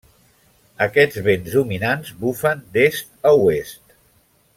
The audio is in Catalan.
Aquests vents dominants bufen d'est a oest.